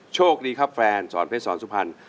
โชคดีครับแฟนสอนเพชรสอนสุพรรณ